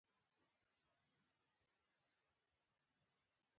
زېړ اوږده وېښتان يې زانګېدل.